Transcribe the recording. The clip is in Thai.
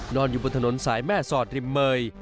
อยู่บนถนนสายแม่สอดริมเมย